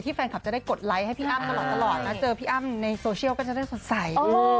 แฟนคลับจะได้กดไลค์ให้พี่อ้ำตลอดนะเจอพี่อ้ำในโซเชียลก็จะได้สดใส